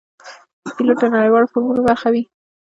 پیلوټ د نړیوالو فورمونو برخه وي.